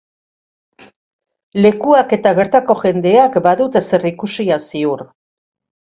Lekuak eta bertako jendeak badute zerikusia, ziur.